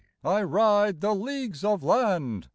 I ride the leagues of land.